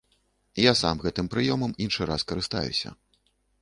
Я сам гэтым прыёмам іншы раз карыстаюся.